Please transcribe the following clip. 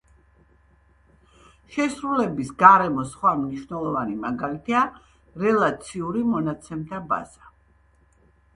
შესრულების გარემოს სხვა მნიშვნელოვანი მაგალითია რელაციური მონაცემთა ბაზა.